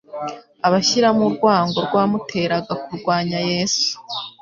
abashyiramo urwango rwamuteraga kurwanya Yesu.